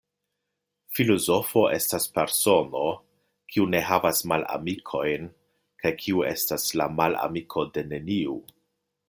Filozofo estas persono, kiu ne havas malamikojn kaj kiu estas la malamiko de neniu.